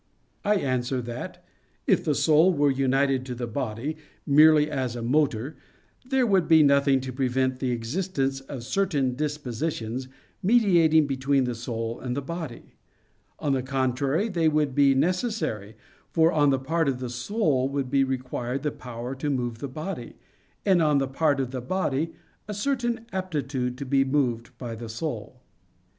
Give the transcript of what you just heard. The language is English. I answer that, If the soul were united to the body, merely as a motor, there would be nothing to prevent the existence of certain dispositions mediating between the soul and the body; on the contrary, they would be necessary, for on the part of the soul would be required the power to move the body; and on the part of the body, a certain aptitude to be moved by the soul.